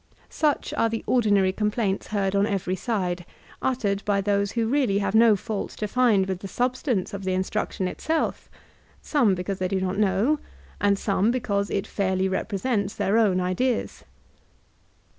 Such are the ordinary compldnts heard on every stde^ uttered by those who really have no fault to find with the substance of the instruction itself, — some because they do not know, and some because it fairly represents own ideas.